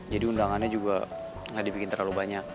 undangannya juga nggak dibikin terlalu banyak